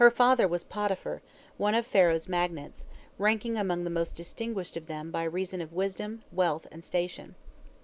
Her father was Potiphar, one of Pharaoh's magnates, ranking among the most distinguished of them by reason of wisdom, wealth, and station.